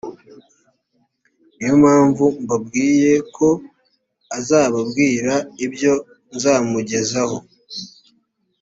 ni yo mpamvu mbabwiye ko azababwira ibyo nzamugezaho